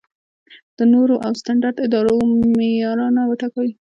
د نورم او سټنډرډ اداره معیارونه ټاکي؟